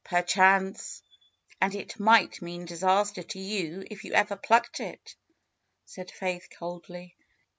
Perchance ! And it might mean disaster to you if you ever plucked it," said Faith coldly.